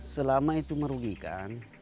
selama itu merugikan